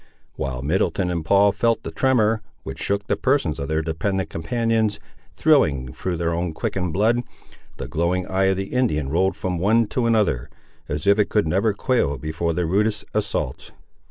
While Middleton and Paul felt the tremor, which shook the persons of their dependant companions, thrilling through their own quickened blood, the glowing eye of the Indian rolled from one to another, as if it could never quail before the rudest assaults.